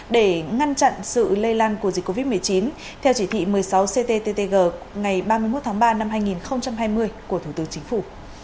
để ngăn chặn sự lây lan của dịch covid một mươi chín theo chỉ thị một mươi sáu cttg ngày ba mươi một tháng ba năm hai nghìn hai mươi của thủ tướng chính phủ